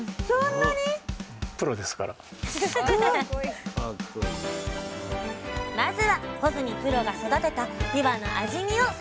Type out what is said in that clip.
まずは穂積プロが育てたびわの味見をさせてもらいます！